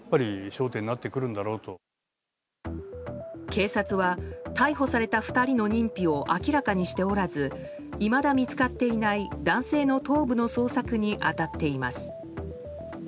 警察は、逮捕された２人の認否を明らかにしておらずいまだ見つかっていない男性の頭部の捜索に当たっています。